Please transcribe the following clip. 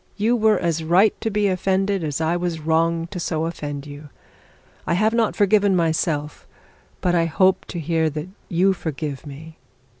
You were as right to be offended, as I was wrong to so offend you. I have not forgiven myself, but I hope to hear that you forgive me.'